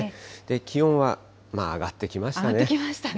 気温は上がってきましたね。